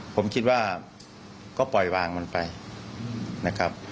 ผมคิดว่าก็ปล่อยวางมันไปนะครับ